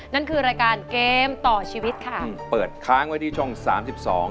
นั่นคือรายการเกมต่อชีวิตค่ะอืมเปิดค้างไว้ที่ช่องสามสิบสอง